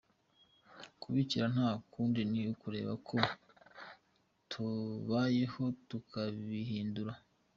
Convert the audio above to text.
Kubikira nta kundi ni ukureba uko tubayeho tukabihindura.